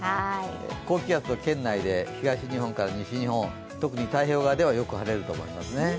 高気圧圏内で、東日本から西日本特に太平洋側ではよく晴れると思いますね。